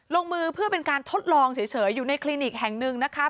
ลงมือเพื่อเป็นการทดลองเฉยอยู่ในคลินิกแห่งหนึ่งนะคะ